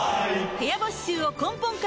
部屋干し臭を根本から無臭化